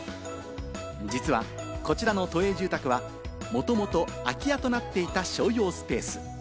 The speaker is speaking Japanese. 実はこちらの都営住宅は、もともと空き家となっていた商用スペース。